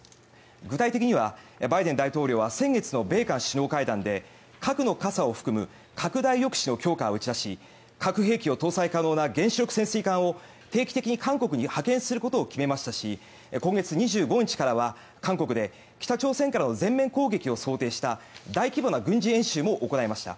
具体的にはバイデン大統領は先月の米韓首脳会談で核の傘を含む拡大抑止の強化を打ち出し核兵器を搭載可能な原子力潜水艦を定期的に韓国に派遣することを決めましたし今月２５日からは韓国で北朝鮮からの全面攻撃を想定した大規模な軍事演習も行いました。